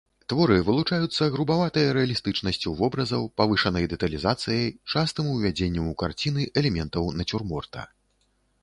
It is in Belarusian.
Творы вылучаюцца грубаватай рэалістычнасцю вобразаў, павышанай дэталізацыяй, частым увядзеннем у карціны элементаў нацюрморта.